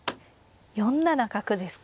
４七角ですか。